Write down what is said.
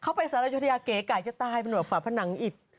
เข้าไปสาลายุทยาเกะกายจะตายหน่ะฝาพนันไอด